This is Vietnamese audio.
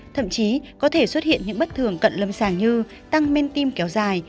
thậm chí có thể xuất hiện những bất thường cận lâm sàng như tăng men tim kéo dài